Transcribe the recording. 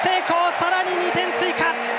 さらに２点追加！